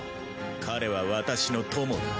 彼は私の友だ。